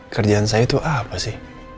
kerjaan saya itu apa sih